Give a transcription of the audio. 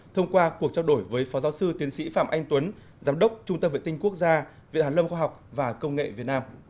thông qua cuộc trao đổi với phó giáo sư tiến sĩ phạm anh tuấn giám đốc trung tâm vệ tinh quốc gia viện hàn lâm khoa học và công nghệ việt nam